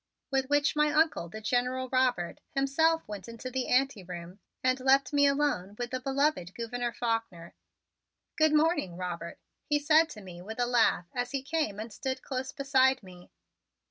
With which my Uncle, the General Robert, himself went into the anteroom and left me alone with the beloved Gouverneur Faulkner. "Good morning, Robert," he said to me with a laugh as he came and stood close beside me.